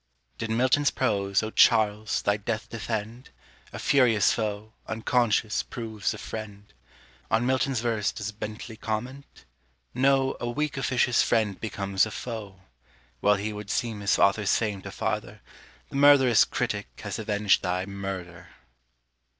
Did MILTON'S PROSE, O CHARLES! thy death defend? A furious foe, unconscious, proves a friend; On MILTON'S VERSE does BENTLEY comment? know, A weak officious friend becomes a foe. While he would seem his author's fame to farther, The MURTHEROUS critic has avenged thy MURTHER.